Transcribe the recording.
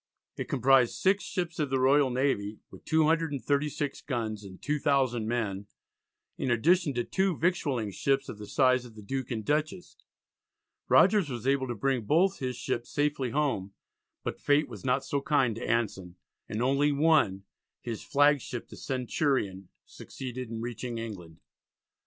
It comprised six ships of the Royal Navy (with 236 guns and 2,000 men), in addition to two victualling ships of the size of the Duke and Dutchess. Rogers was able to bring both his ships safely home, but fate was not so kind to Anson, and only one, his flagship the Centurion, succeeded in reaching England.